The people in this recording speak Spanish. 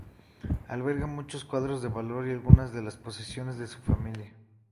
Alberga muchos cuadros de valor y algunas de las posesiones de su familia.